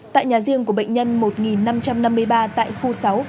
tại nhà riêng của bệnh nhân một năm trăm năm mươi ba tại khu sáu